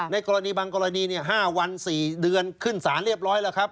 กรณีบางกรณี๕วัน๔เดือนขึ้นสารเรียบร้อยแล้วครับ